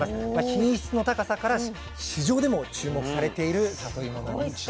品質の高さから市場でも注目されているさといもなんです。